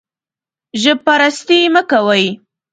ژب پرستي مه کوئ